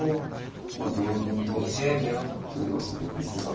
まあ同銀と取るのは自然ですが。